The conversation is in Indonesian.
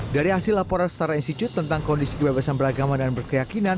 dari hasil laporan setara institut tentang kondisi kebebasan beragama dan berkeyakinan